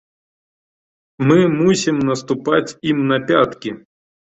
Мы мусім наступаць ім на пяткі.